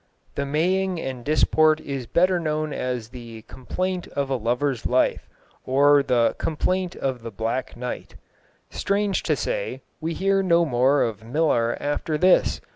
The Maying and Disport is better known as the Complaynt of a Lover's Life, or the Complaynt of the Black Knight. Strange to say, we hear no more of Myllar after this.